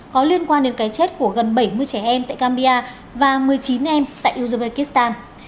có liên quan đến cái chết của gần bảy mươi trẻ em tại gambia và một mươi chín em tại uzbekistan